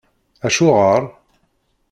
Acuɣer?